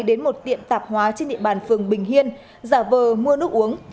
đến một tiệm tạp hóa trên địa bàn phường bình hiên giả vờ mua nước uống